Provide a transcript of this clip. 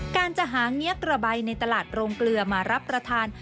การจะหาเงี้ยกระใบในตลาดโรงเกลือมารับประทาน